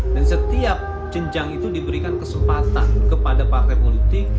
dan setiap jenjang itu diberikan kesempatan kepada partai politik